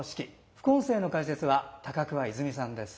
副音声の解説は高桑いづみさんです。